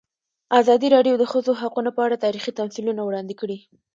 ازادي راډیو د د ښځو حقونه په اړه تاریخي تمثیلونه وړاندې کړي.